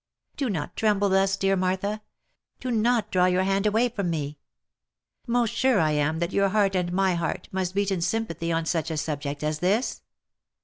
Do not tremble thus, dear Martha ! Do not draw your hand away from me ! Most sure I am that your heart and my heart must beat in sympathy on such a subject as this.